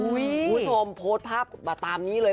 คุณผู้ชมโพสต์ภาพมาตามนี้เลย